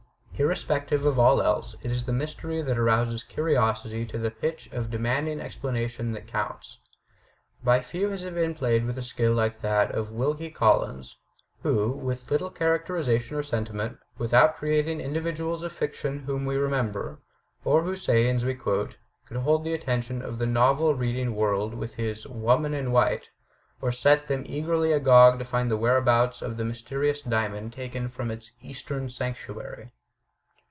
Irrespective of all else, it is the mystery that arouses curiosity to the pitch of demanding explanation that counts. By few has it been played with a skill like that of Wilkie Collins, who, with little characterization or sentiment, with out creating individuals of fiction whom we remember, or whose sayings we quote, could hold the attention, of the novel reading world with his "Woman in White," or set them eagerly agog to find the whereabouts of the mysterious diamond taken from its Eastern sanctuary.